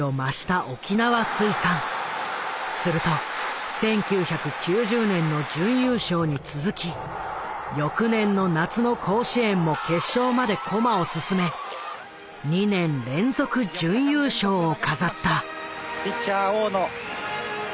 すると１９９０年の準優勝に続き翌年の夏の甲子園も決勝まで駒を進め２年連続準優勝を飾った。